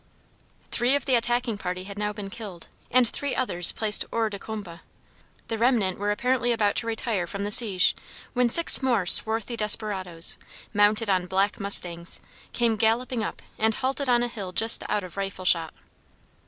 Three of the attacking party had now been killed and three others placed hors de combat; the remnant were apparently about to retire from the siege, when six more swarthy desperadoes, mounted on black mustangs, came galloping up and halted on a hill just out of rifle shot.